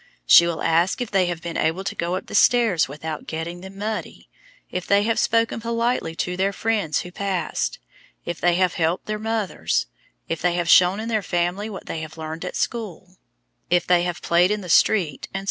She will ask if they have been able to go up the stairs without getting them muddy, if they have spoken politely to their friends who passed, if they have helped their mothers, if they have shown in their family what they have learned at school, if they have played in the street, etc.